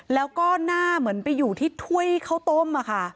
แล้วก็หน้าเหมือนไปอยู่ที่ถ้วยข้าวต้ม